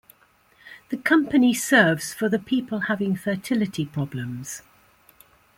The company serves for the people having fertility problems.